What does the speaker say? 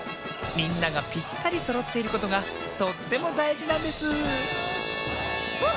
みんながぴったりそろっていることがとってもだいじなんですあ！